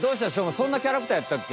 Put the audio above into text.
そんなキャラクターやったっけ？